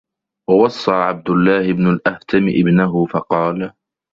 وَوَصَّى عَبْدُ اللَّهِ بْنُ الْأَهْتَمِ ابْنَهُ فَقَالَ